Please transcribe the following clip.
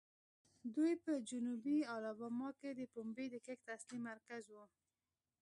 دوی په جنوبي الاباما کې د پنبې د کښت اصلي مرکز وو.